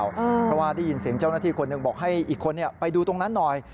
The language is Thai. เพราะว่าได้ยินเสียงเจ้าหน้าที่คนหนึ่งบอกให้อีกคนไปดูตรงนั้นหน่อย